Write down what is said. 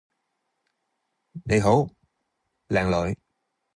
你好靚女